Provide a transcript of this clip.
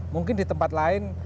mungkin di tempat lain